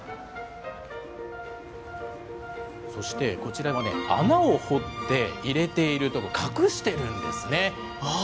そしてこちらもね、穴を掘って入れているとこ、隠しているんですね。